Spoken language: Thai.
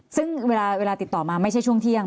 ซึ่งเวลาติดต่อมาไม่ใช่ช่วงเที่ยง